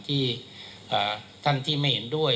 ที่ท่านที่ไม่เห็นด้วย